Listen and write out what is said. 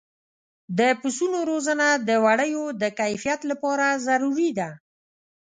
د پسونو روزنه د وړیو د کیفیت لپاره ضروري ده.